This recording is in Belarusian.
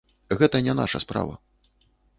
Гэта не наша справа.